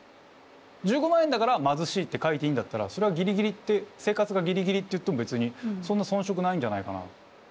１５万円だから貧しいって書いていいんだったらそれは生活がギリギリって言っても別にそんな遜色ないんじゃないかな。